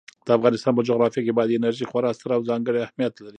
د افغانستان په جغرافیه کې بادي انرژي خورا ستر او ځانګړی اهمیت لري.